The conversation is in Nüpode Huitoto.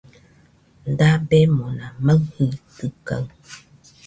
Dabemona maɨjitɨkaɨ